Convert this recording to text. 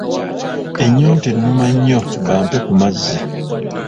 Ennyonta ennuma nnyo bampe ku mazzi